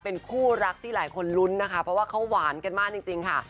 เป็นคู่รักที่หลายคนลุ้นนะคะเพราะว่าเขาหวานกันมากจริงค่ะ